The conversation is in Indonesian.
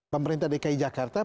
pemerintah dki jakarta